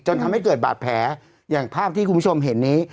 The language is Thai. ทำให้เกิดบาดแผลอย่างภาพที่คุณผู้ชมเห็นนี้